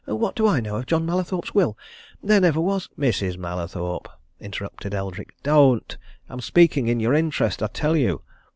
"What do I know of John Mallathorpe's will? There never was " "Mrs. Mallathorpe!" interrupted Eldrick. "Don't! I'm speaking in your interest, I tell you!